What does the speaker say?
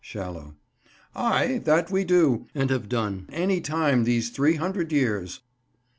Shallow. Ay, that we do, and have done any time these three hundred years.